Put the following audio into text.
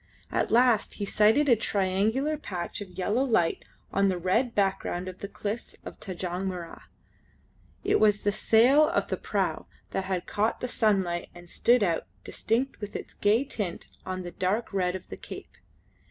At last he sighted a triangular patch of yellow light on the red background of the cliffs of Tanjong Mirrah. It was the sail of the prau that had caught the sunlight and stood out, distinct with its gay tint, on the dark red of the cape.